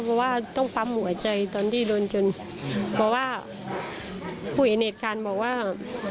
เพราะว่าต้องปั๊มหัวใจตอนที่โดนจนเพราะว่าผู้เห็นเหตุการณ์บอกว่า